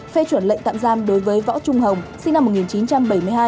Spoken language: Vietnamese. phê chuẩn lệnh tạm giam đối với võ trung hồng sinh năm một nghìn chín trăm bảy mươi hai